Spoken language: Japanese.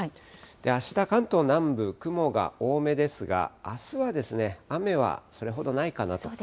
あした、関東南部、雲が多めですが、あすは、雨はそれほどないかなと。